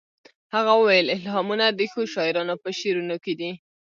هغه وویل الهامونه د ښو شاعرانو په شعرونو کې دي